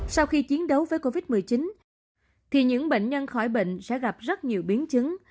sau khi chiến đấu với covid một mươi chín thì những bệnh nhân khỏi bệnh sẽ gặp rất nhiều biến chứng